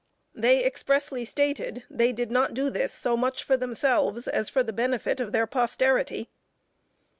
They expressly stated, they did not do this so much for themselves, as for the benefit of their posterity.